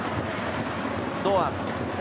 堂安。